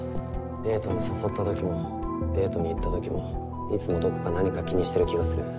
デートに誘った時もデートに行った時もいつもどこか何か気にしてる気がする。